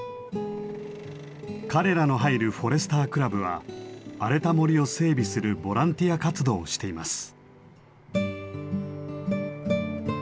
彼らの入るフォレスタークラブは荒れた森を整備するボランティア活動をしています。